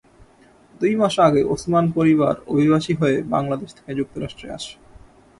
দুই মাস আগে ওসমান পরিবার অভিবাসী হয়ে বাংলাদেশ থেকে যুক্তরাষ্ট্রে আসে।